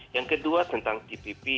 yang kedua tentang tpp